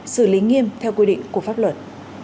xử lý nghiêm theo quy định của pháp luật